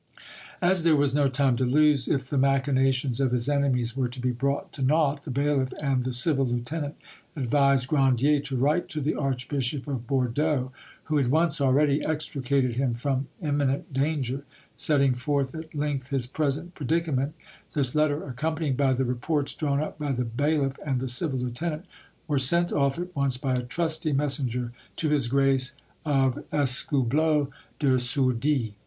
As there was no time to lose if the machinations of his enemies were to be brought to nought, the bailiff and the civil lieutenant advised Grandier to write to the Archbishop of Bordeaux, who had once already extricated him from imminent danger, setting forth at length his present predicament; this letter; accompanied by the reports drawn up by the bailiff and the civil lieutenant, were sent off at once by a trusty messenger to His Grace of Escoubleau de Sourdis.